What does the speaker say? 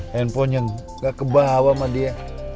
handphone yang gak kebawa sama dia